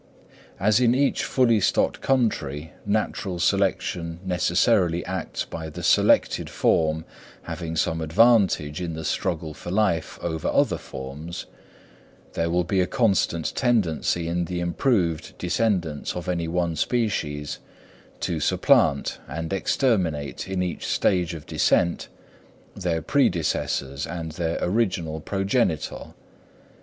As in each fully stocked country natural selection necessarily acts by the selected form having some advantage in the struggle for life over other forms, there will be a constant tendency in the improved descendants of any one species to supplant and exterminate in each stage of descent their predecessors and their original progenitor.